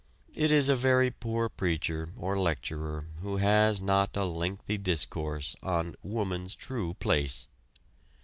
It is a very poor preacher or lecturer who has not a lengthy discourse on "Woman's True Place."